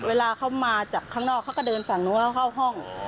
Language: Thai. เวลาเขามาจากข้างนอกเขาก็เดินฝั่งนู้นเขาเข้าห้อง